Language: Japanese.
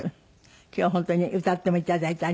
今日は本当に歌っても頂いてありがとうございます。